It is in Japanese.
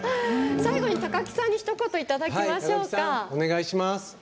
最後に高木さんにひと言いただきましょうか。